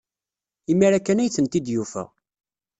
Imir-a kan ay tent-id-yufa.